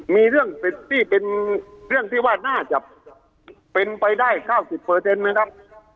มีเรื่องเป็นที่เป็นเรื่องที่ว่าน่าจะเป็นไปได้เก้าสิบเปอร์เซ็นต์ไหมครับ